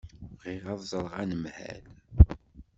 Bɣiɣ ad ẓreɣ anemhal.